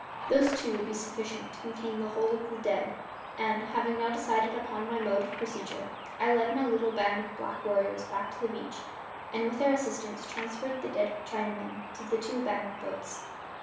Those two would be sufficient to contain the whole of the dead; and, having now decided upon my mode of procedure, I led my little band of black warriors back to the beach and, with their assistance, transferred the dead Chinamen to the two abandoned boats.